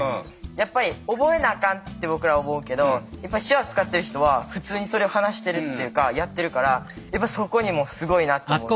やっぱり覚えなあかんって僕ら思うけど手話使ってる人は普通にそれを話してるっていうかやってるからやっぱそこにもすごいなって思うし。